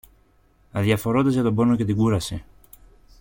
αδιαφορώντας για τον πόνο και την κούραση.